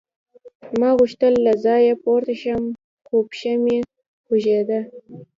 ما غوښتل له ځایه پورته شم خو پښه مې خوږېده